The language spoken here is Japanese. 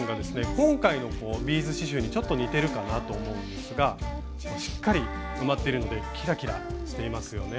今回のビーズ刺しゅうにちょっと似てるかなと思うんですがしっかり埋まっているのでキラキラしていますよね。